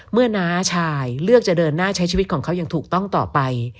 น้าชายเลือกจะเดินหน้าใช้ชีวิตของเขาอย่างถูกต้องต่อไป